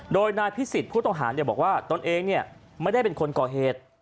โดยนายพิสิทธิ์ผู้ต้องหาบอกว่าตนเองไม่ได้เป็นคนก่อเหตุ